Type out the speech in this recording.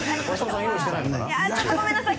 ちょっとごめんなさい。